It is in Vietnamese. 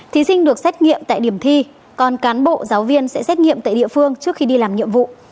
thí sinh được xét nghiệm tại điểm thi còn cán bộ giáo viên sẽ xét nghiệm tại địa phương trước khi đi làm nhiệm vụ